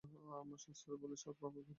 আমার শাস্ত্র বলে, সব কাফেরকে হত্যা কর।